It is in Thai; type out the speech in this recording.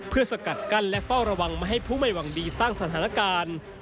เพื่อสกัดกั้นและเฝ้าระวังไม่ให้ผู้ไม่หวังดีสร้างสถานการณ์